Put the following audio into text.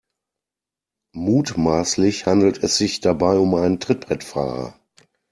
Mutmaßlich handelt es sich dabei um einen Trittbrettfahrer.